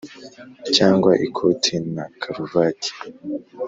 Cyangwa ikoti na karuvati